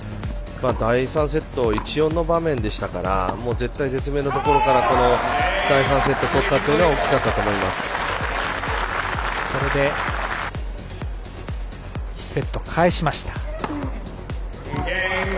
第３セット１−４の場面でしたから絶体絶命のところから第３セット取ったのはこれで１セット返しました。